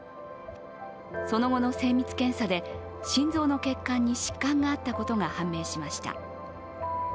その後の精密検査で、心臓の血管に疾患があったことが判明しました。